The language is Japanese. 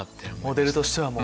モデルとしてはもう。